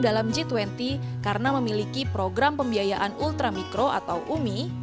dalam g dua puluh karena memiliki program pembiayaan ultramikro atau umi